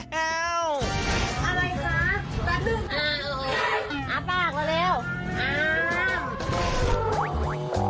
อะไรคะแปลกหนึ่งอ้าวอ้าวปากเร็วเร็วอ้าว